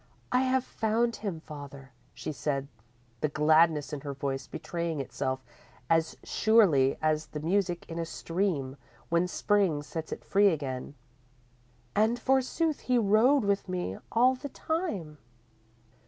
_ _"I have found him, father," she said, the gladness in her voice betraying itself as surely as the music in a stream when Spring sets it free again, "and, forsooth, he rode with me all the time."